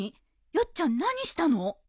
ヨッちゃん何したの？